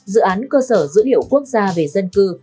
dự án cơ sở dữ liệu quốc gia về dân cư